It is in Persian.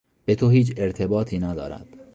به تو هیچ ارتباطی ندارد!